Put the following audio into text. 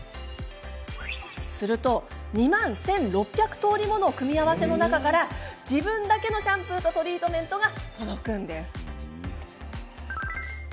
すると、２万１６００通りもの組み合わせの中から、自分だけのシャンプーとトリートメントが届くんです。